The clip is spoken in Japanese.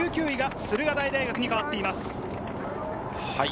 １９位が駿河台大学に変わっています。